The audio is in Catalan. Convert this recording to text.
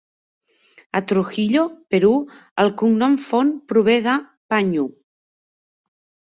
A Trujillo, Perú, el cognom Fhon prové de Panyu.